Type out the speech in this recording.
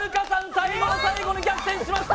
最後の最後に逆転しました！